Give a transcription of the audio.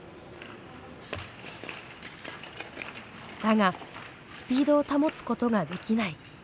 だがスピードを保つことができない。